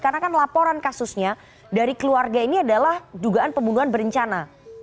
karena kan laporan kasusnya dari keluarga ini adalah dugaan pembunuhan berencana